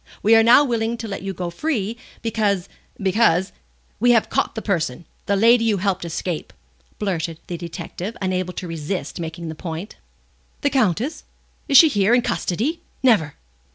We are now willing to let you go free, because because " "We have caught the person, the lady you helped to escape," blurted out the detective, unable to resist making the point. "The Countess? Is she here, in custody? Never!"